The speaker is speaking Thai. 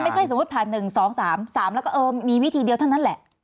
มันไม่ใช่สมมติผ่านหนึ่งสองสามสามแล้วก็เออมีวิธีเดียวเท่านั้นแหละ